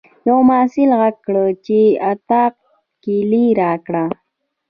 یوه محصل غږ کړ چې د اطاق کیلۍ راکړه.